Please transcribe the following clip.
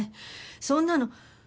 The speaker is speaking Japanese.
そんなの。